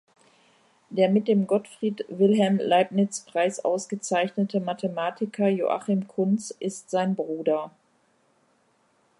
Der mit dem Gottfried-Wilhelm-Leibniz-Preis ausgezeichnete Mathematiker Joachim Cuntz ist sein Bruder.